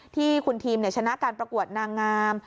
ที่คุณทีมชนะการประกวดนางงาม